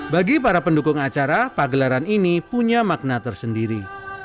bagi para pendukung acara pagelaran ini punya makna tersendiri